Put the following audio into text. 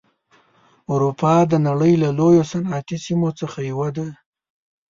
اروپا د نړۍ له لویو صنعتي سیمو څخه یوه ده.